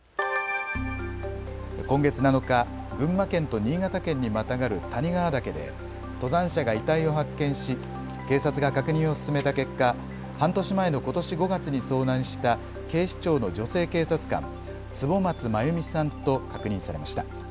今月７日、群馬県と新潟県にまたがる谷川岳で登山者が遺体を発見し警察が確認を進めた結果、半年前のことし５月に遭難した警視庁の女性警察官、坪松まゆみさんと確認されました。